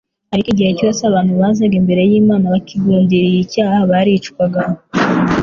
Ariko igihe cyose abantu bazaga imbere y'Imana bakigundiriye icyaha, baricwaga.